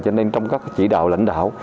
cho nên trong các chỉ đạo lãnh đạo